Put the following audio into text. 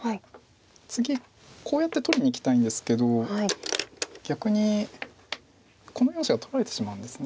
次こうやって取りにいきたいんですけど逆にこの４子が取られてしまうんです。